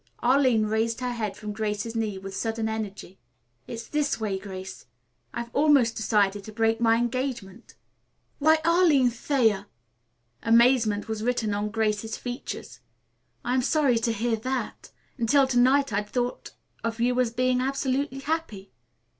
Arline raised her head from Grace's knee with sudden energy. "It's this way, Grace. I have almost decided to break my engagement." "Why, Arline Thayer!" Amazement was written on Grace's features. "I am sorry to hear that. Until to night I had thought of you as being absolutely happy."